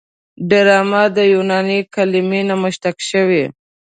ډرامه د یوناني کلمې نه مشتق شوې.